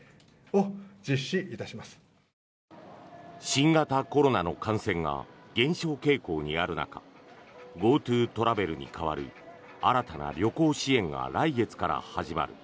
新型コロナの感染が減少傾向にある中ＧｏＴｏトラベルに代わる新たな旅行支援が来月から始まる。